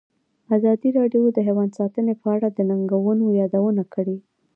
ازادي راډیو د حیوان ساتنه په اړه د ننګونو یادونه کړې.